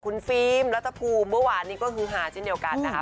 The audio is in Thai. คุณฟิล์มรัฐภูมิเมื่อวานนี้ก็คือหาเช่นเดียวกันนะคะ